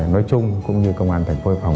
nói chung cũng như công an thành phố hải phòng